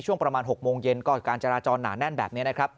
ช่วงประมาณ๖โมงเย็นก็การจราจรหนาแน่นแบบนี้นะครับ